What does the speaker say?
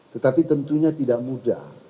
tetapi tentunya tidak mudah